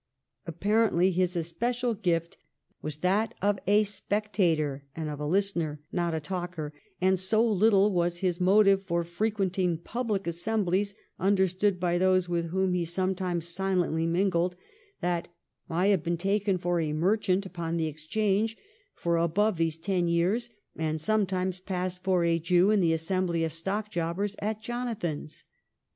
Apparently his especial gift was that of a spectator and of a listener, not a talker, and so little was his motive for frequenting public assemblies understood by those with whom he some times silently mingled that ' I have been taken for a merchant upon the Exchange for above these ten 1711 THE SPECTATOR IN LONDON 181 years, and sometimes pass for a Jew in the assembly of stock jobbers at Jonathan's.